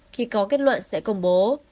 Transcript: khi có kết luận sẽ công bố